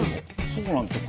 そうなんですよ。